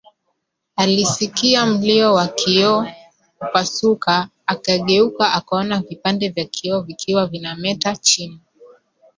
Alisikia mlio wa kioo kupasuka akageuka akaona vipande vya kioo vikiwa vinameta chini